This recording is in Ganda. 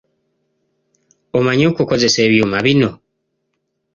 Omanyi okukozesa ebyuma bino?